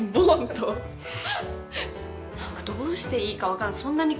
どうしていいか分かんない。